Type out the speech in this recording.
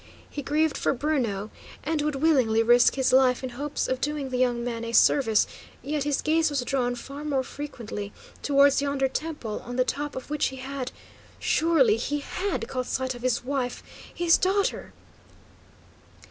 He grieved for Bruno, and would willingly risk his life in hopes of doing the young man a service, yet his gaze was drawn far more frequently towards yonder temple, on the top of which he had surely he HAD caught sight of his wife, his daughter!